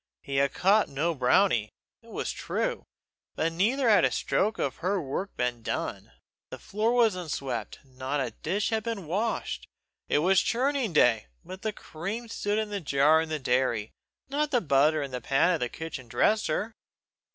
He had caught no brownie, it was true, but neither had a stroke of her work been done. The floor was unswept; not a dish had been washed; it was churning day, but the cream stood in the jar in the dairy, not the butter in the pan on the kitchen dresser.